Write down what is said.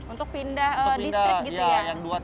untuk pindah distrik gitu ya